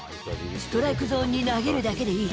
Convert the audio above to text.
ストライクゾーンに投げるだけでいい。